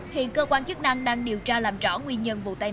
hiện cơ quan chức năng đang điều tra làm rõ nguyên nhân vụ tai nạn